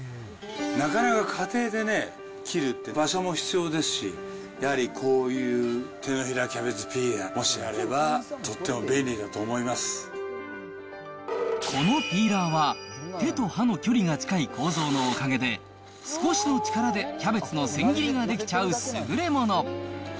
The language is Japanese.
なかなか家庭でね、切るって、場所も必要ですし、やはりこういう手のひらキャベツピーラー、もしあれば、とってもこのピーラーは、手と刃の距離が近い構造のおかげで、少しの力でキャベツの千切りができちゃう優れもの。